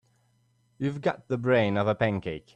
You've got the brain of a pancake.